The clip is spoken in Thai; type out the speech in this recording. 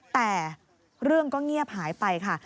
แต่เรื่องก็เงียบหายไปค่ะ